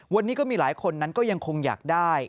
วันนี้ก็มีหลายคนนั้นก็ยังคงอยากได้